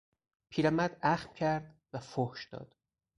پیرمرد اخم کرد و فحش داد.